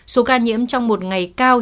số ca nhiễm trong một ngày cao